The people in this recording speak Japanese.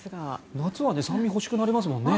夏は酸味が欲しくなりますもんね。